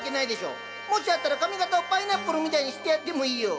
もしあったら髪形をパイナップルみたいにしてやってもいいよ！